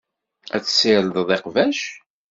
Ad tessirdeḍ iqbac.